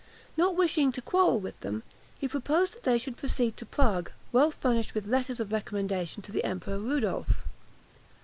Not wishing to quarrel with them, he proposed that they should proceed to Prague, well furnished with letters of recommendation to the Emperor Rudolph.